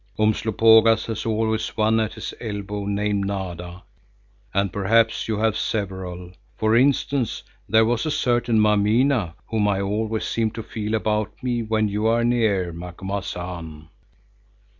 Umslopogaas has always one at his elbow named Nada, and perhaps you have several. For instance, there was a certain Mameena whom I always seem to feel about me when you are near, Macumazahn.